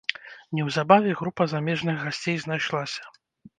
Неўзабаве група замежных гасцей знайшлася.